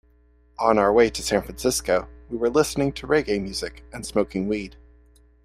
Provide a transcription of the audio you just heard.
On our way to San Francisco, we were listening to reggae music and smoking weed.